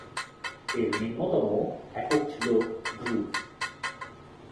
এর নিম্নতম একক ছিল "গ্রুপ"।